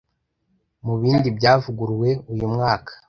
Mu bindi byavuguruwe uyu mwaka